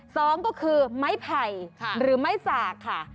สองก็คือไม้ไผ่หรือไม้สากค่ะ